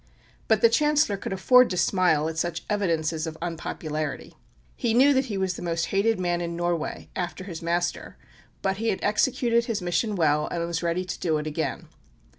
But the Chancellor could afford to smile at such evidences of unpopularity. He knew that he was the most hated man in Norway after his master but he had executed his mission well and was ready to do it again.